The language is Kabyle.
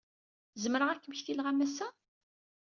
Zemreɣ ad kem-ktileɣ a Massa?